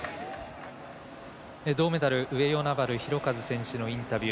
銅メダル上与那原寛和選手のインタビュー